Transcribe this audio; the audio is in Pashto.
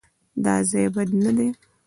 _دا ځای بد نه دی.